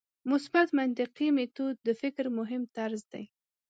مثبت منطقي میتود د فکر مهم طرز دی.